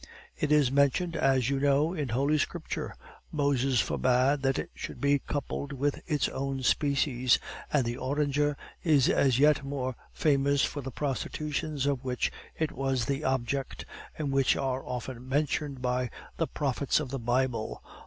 It is mentioned, as you know, in Holy Scripture; Moses forbade that it should be coupled with its own species, and the onager is yet more famous for the prostitutions of which it was the object, and which are often mentioned by the prophets of the Bible.